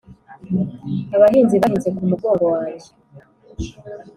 Abahinzi bahinze ku mugongo wanjye